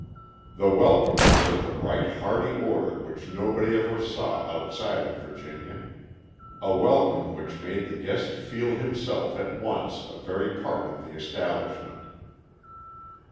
The welcome was of the right hearty order which nobody ever saw outside of Virginia a welcome which made the guest feel himself at once a very part of the establishment.